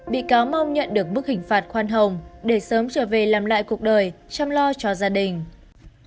bị cáo mong nhận được bức hình phạt khoan hồng để sớm trở về làm lại cuộc đời chăm lo cho gia đình